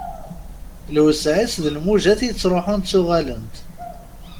Lewseɛ-is d lmujat i ittruḥun ttuɣalent.